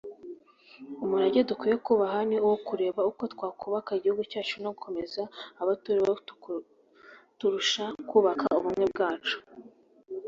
Umurage dukwiye kubaha ni uwo kureba uko twakubaka igihugu cyacu no gukomeza abo turibo turushaho kubaka ubumwe bwacu